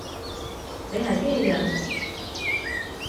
你係機器人？